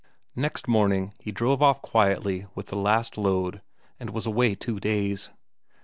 Next morning he drove off quietly with the last load, and was away two days.